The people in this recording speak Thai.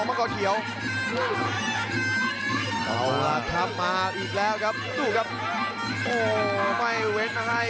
ไม่เว้นอาฮัย